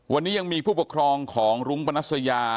วันนี้ยังมีผู้ปกครองของรุ้งปนัสยา